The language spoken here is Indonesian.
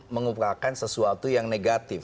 mengupakan sesuatu yang negatif